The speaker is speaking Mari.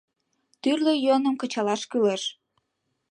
Тӱрлӧ йӧным кычалаш кӱлеш.